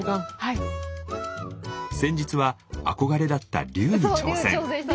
先日は憧れだった「龍」に挑戦。